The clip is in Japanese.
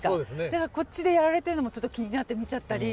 だからこっちでやられてるのもちょっと気になって見ちゃったり。